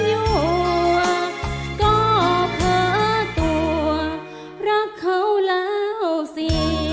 โอ้ยิ้มอยู่ก็เผลอตัวรักเขาแล้วสิ